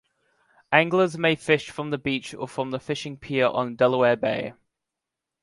Anglers may fish from the beach or from the fishing pier on Delaware Bay.